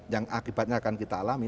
yang akibatnya akan kita alami